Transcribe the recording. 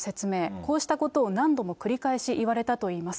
こうしたことを何度も繰り返し言われたといいます。